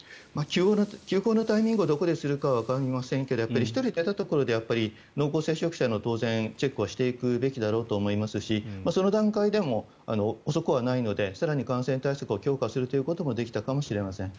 休校のタイミングをどこでするかはわかりませんけれども１人出たところでやっぱり、濃厚接触者の当然、チェックはしていくべきだと思いますしその段階でも遅くはないので更に感染対策を強化することもできたかもしれません。